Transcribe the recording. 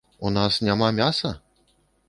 У нас няма мяса?